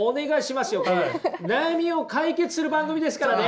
悩みを解決する番組ですからね！